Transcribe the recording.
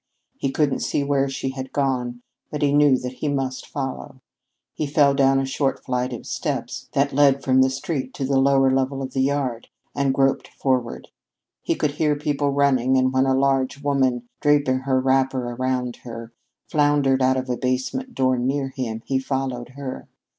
He couldn't see where she had gone, but he knew that he must follow. He fell down a short flight of steps that led from the street to the lower level of the yard, and groped forward. He could hear people running, and when a large woman, draping her wrapper about her, floundered out of a basement door near him, he followed her.